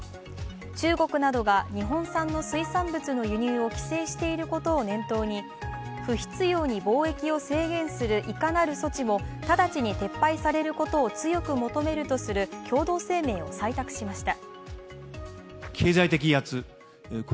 中国などが日本産の水産物の輸入を規制していることを念頭に不必要に貿易を制限するいかなる措置も直ちに撤廃されることを強く求めるとする共同声明を採択しました。